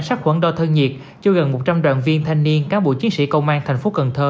sắc quẩn đo thơ nhiệt cho gần một trăm linh đoàn viên thanh niên các bộ chiến sĩ công an thành phố cần thơ